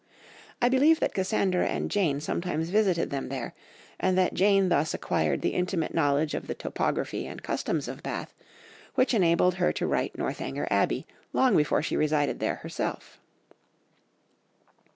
I believe that Cassandra and Jane sometimes visited them there, and that Jane thus acquired the intimate knowledge of the topography and customs of Bath which enabled her to write Northanger Abbey long before she resided there herself."